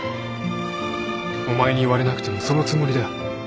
お前に言われなくてもそのつもりだ。